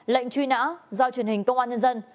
lệnh truy nã do truyền hình công an nhân dân